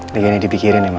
lagi ini dipikirin ya ma